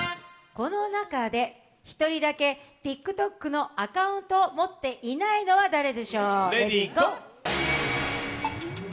この中で、１人だけＴｉｋＴｏｋのアカウントを持っていないのは誰でしょう？